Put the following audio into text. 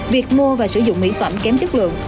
việc mua và sử dụng mỹ phẩm kém chất lượng